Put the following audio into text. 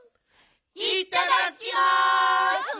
いっただきます！